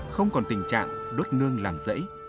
không còn tình trạng đốt nương làm rẫy